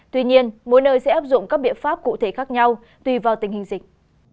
tuy nhiên mỗi nơi sẽ áp dụng các biện pháp cụ thể khác nhau tùy vào tình hình dịch